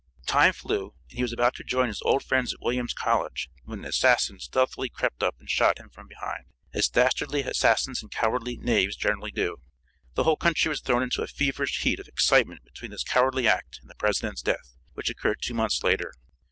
Time flew, and he was about to join his old friends at Willams' College, when an assassin stealthily crept up and shot him from behind, as dastardly assassins and cowardly knaves generally do. The whole country was thrown into a feverish heat of excitement between this cowardly act and the president's death, which occurred two months later.